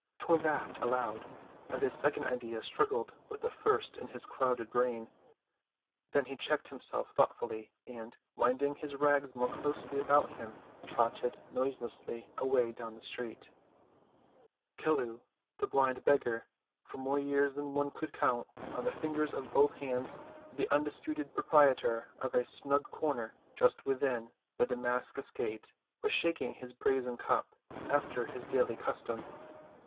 Tor laughed aloud as a second idea struggled with the first in his clouded brain; then he checked himself thoughtfully, and, winding his rags more closely about him, trotted noiselessly away down the street. Chelluh, the blind beggar, for more years than one could count on the fingers of both hands the undisputed proprietor of a snug corner just within the Damascus gate, was shaking his brazen cup after his daily custom.